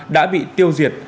đã bị tiêu diệt